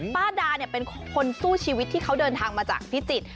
ป้าดาเนี่ยเป็นคนสู้ชีวิตที่เขาเดินทางมาจากพิจิตร